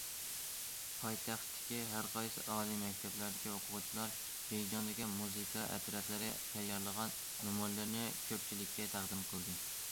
پايتەختتىكى ھەرقايسى ئالىي مەكتەپلەردىكى ئوقۇغۇچىلار، بېيجىڭدىكى مۇزىكا ئەترەتلىرى تەييارلىغان نومۇرلىرىنى كۆپچىلىككە تەقدىم قىلدى.